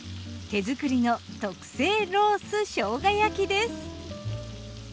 手作りの特製ロース生姜焼きです。